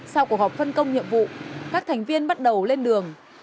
sau cuộc họp phân công nhiệm vụ các thành viên bắt đầu lên đường